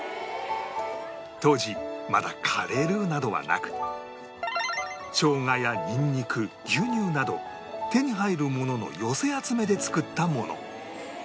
当時まだカレールーなどはなく生姜やニンニク牛乳など手に入るものの寄せ集めで作ったもの